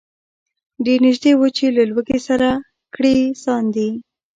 ډېر نیژدې وو چي له لوږي سر کړي ساندي